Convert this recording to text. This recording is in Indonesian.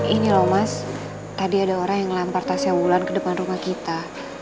ini loh mas tadi ada orang yang lempar tasnya wulan ke depan rumah kita